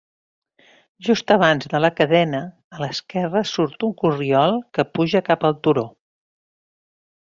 Justa abans de la cadena, a l'esquerra surt un corriol que puja cap al turó.